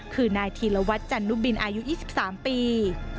คือนายธีรวัตรจันนุบินอายุ๒๓ปี